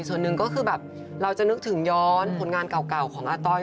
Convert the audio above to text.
ส่วนหนึ่งก็คือแบบเราจะนึกถึงย้อนผลงานเก่าของอาต้อย